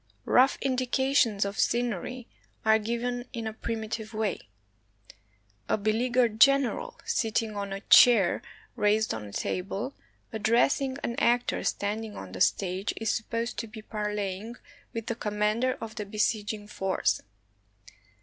Rough indications of scenery are given in a primitive way. A beleaguered general, sitting on a chair raised on a table, addressing an actor standing on the stage, is supposed to be parleying with the com mander of the besieging force.